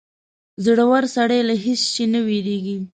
• زړور سړی له هېڅ شي نه وېرېږي.